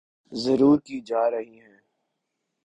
ضرور کی جارہی ہیں